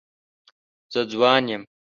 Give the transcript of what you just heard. زه ځوان یم.